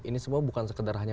ini semua bukan sekedar hanya